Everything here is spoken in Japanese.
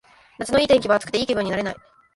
夏のいい天気は暑くていい気分になれない